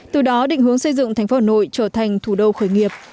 từ đó định hướng xây dựng thành phố hà nội trở thành thủ đô khởi nghiệp